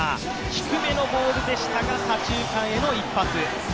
低めのボールでしたが、左中間への一発。